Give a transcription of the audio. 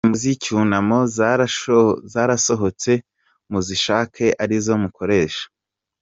Ati: indirimbo zicyunamo zarasohotse muzishake arizo mukoresha.